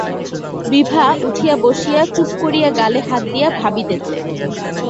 বিভা উঠিয়া বসিয়া চুপ করিয়া গালে হাত দিয়া ভাবিতেছে।